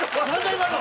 今の。